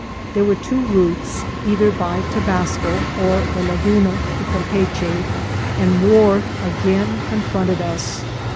There were two routes, either by Tobasco or the Laguna, to Campeachy, and war again confronted us.